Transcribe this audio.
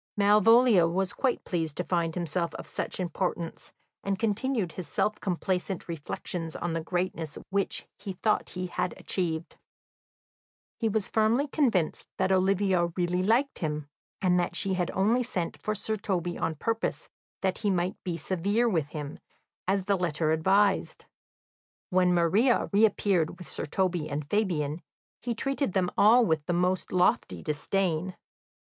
Malvolio was quite pleased to find himself of such importance, and continued his self complacent reflections on the greatness which he thought he had achieved. He was firmly convinced that Olivia really liked him, and that she had only sent for Sir Toby on purpose that he might be severe with him, as the letter advised. When Maria reappeared with Sir Toby and Fabian, he treated them all with the most lofty disdain.